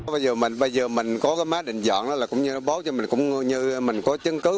bây giờ mình có cái máy định dọn đó là cũng như nó bóp cho mình cũng như mình có chứng cứ